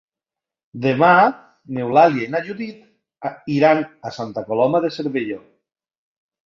Demà n'Eulàlia i na Judit iran a Santa Coloma de Cervelló.